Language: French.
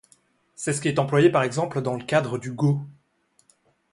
C'est ce qui est employé, par exemple, dans le cadre du go.